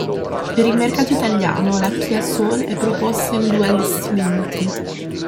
Per il mercato italiano la Kia Soul è proposta in due allestimenti.